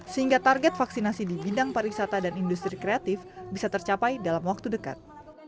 sehingga target vaksinasi di bidang pariwisata dan industri kreatif bisa tercapai dalam waktu dekat